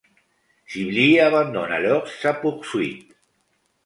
Sibley abandonne alors sa poursuite.